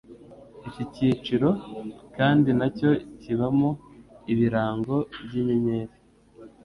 Iki cyiciro kandi nacyo kibamo ibirango by'inyenyeri